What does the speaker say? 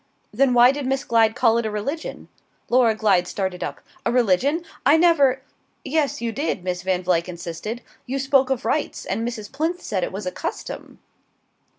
"Then why did Miss Glyde call it a religion?" Laura Glyde started up. "A religion? I never " "Yes, you did," Miss Van Vluyck insisted; "you spoke of rites; and Mrs. Plinth said it was a custom."